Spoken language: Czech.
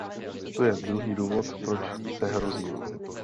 To je druhý důvod, proč se hrozím.